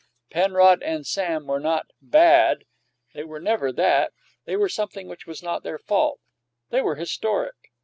Penrod and Sam were not "bad"; they were never that. They were something which was not their fault; they were historic.